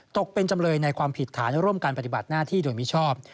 ตกเป็นจำเลยในความผิดฐานร่วมการปฏิบัติหน้าที่โดยมิชอบ